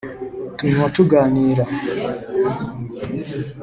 tunywa tuganira